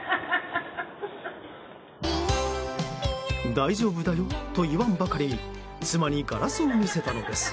大丈夫だよと言わんばかりに妻にガラスを見せたのです。